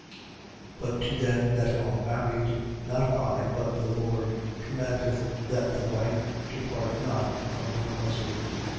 But to them that are married, not I, but the Lord, commandeth that the wife depart not from her husband.